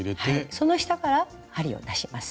その下から針を出します。